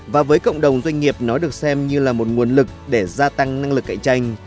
và với cộng đồng doanh nghiệp nó được xem như là một nguồn lực để gia tăng năng lực cạnh tranh